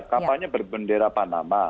kapalnya berbendera panama